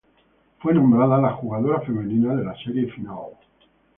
Fue nombrada la "jugadora femenina de la serie final".